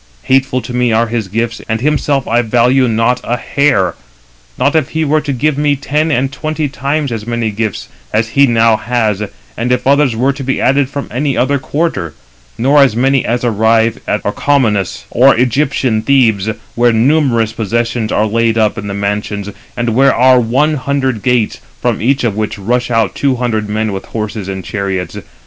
Hateful to me are his gifts, and himself I value not a hair. 310 Not if he were to give me ten and twenty times as many gifts as he now has, and if others were to be added from any other quarter; nor as many as arrive at Orchomenos, or Egyptian Thebes, 311 where numerous possessions are laid up in the mansions, and where are one hundred gates, 312 from each of which rush out two hundred men with horses and chariots.